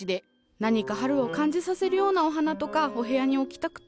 何か春を感じさせるようなお花とかお部屋に置きたくて。